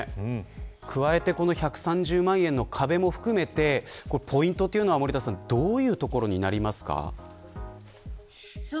加えて、１３０万円の壁も含めてポイントというのはどういうところになりますか。